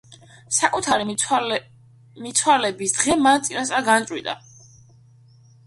საკუთარი მიცვალების დღე მან წინასწარ განჭვრიტა.